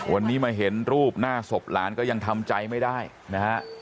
วันนี้มาเห็นรูปหน้าศพหลานก็ยังทำใจไม่ได้นะฮะ